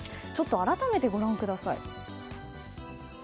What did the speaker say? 改めて、ご覧ください。